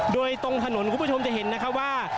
โดยตรงถนนคุณผู้ชมจะเห็นนะคะว่า